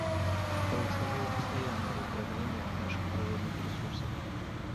Происходило постоянное разграбление наших природных ресурсов.